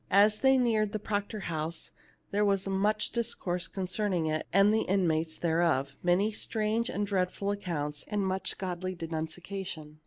And as they neared the Proctor house there was much discourse concerning it and the in mates thereof, many strange and dreadful ac counts, and much godly denunciation.